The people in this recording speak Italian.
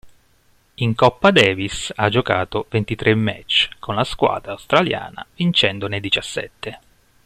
In Coppa Davis ha giocato ventitré match con la squadra australiana vincendone diciassette.